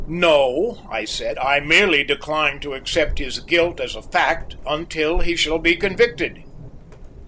"No," I said; "I merely decline to accept his guilt as a fact until he shall be convicted."